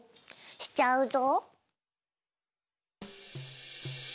しちゃうぞ！